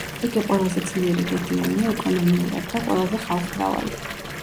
იგი ყველაზე ძლიერი რეგიონია ეკონომიურად და ყველაზე ხალხმრავალი.